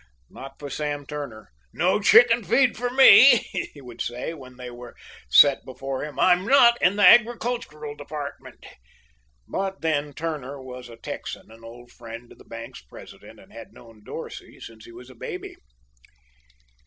Not for Sam Turner. "No chicken feed for me," he would say when they were set before him. "I'm not in the agricultural department." But, then, Turner was a Texan, an old friend of the bank's president, and had known Dorsey since he was a baby.